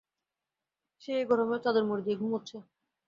সে এই গরমেও চাদর মুড়ি দিয়ে ঘুমাচ্ছে।